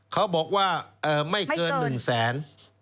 เขาบอกว่าไม่เกิน๑แสน